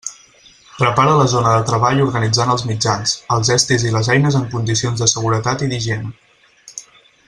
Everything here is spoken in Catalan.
Prepara la zona de treball organitzant els mitjans, els estris i les eines en condicions de seguretat i d'higiene.